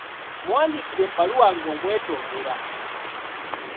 Muwandiikire ebbaluwa ng’omwetondera.